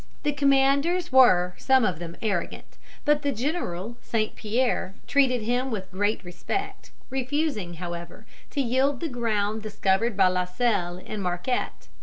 ] The commanders were some of them arrogant, but the general, St. Pierre, treated him with great respect, refusing, however, to yield the ground discovered by La Salle and Marquette.